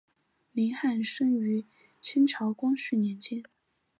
林翰生于清朝光绪四年。